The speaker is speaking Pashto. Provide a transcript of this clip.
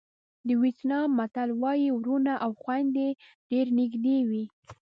د وېتنام متل وایي وروڼه او خویندې ډېر نږدې دي.